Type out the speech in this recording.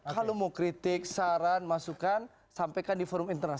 kalau mau kritik saran masukan sampaikan di forum internasional